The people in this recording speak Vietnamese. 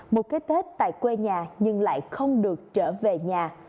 một cái tết tại quê nhà nhưng lại không được trở về nhà